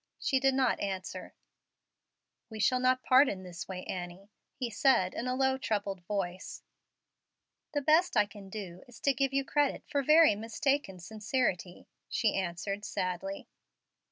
She did not answer. "We shall not part in this way, Annie," he said, in a low, troubled voice. "The best I can do is to give you credit for very mistaken sincerity," she answered, sadly.